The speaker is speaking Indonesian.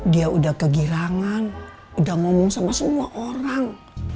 dia udah kegirangan udah ngomong sama semua orang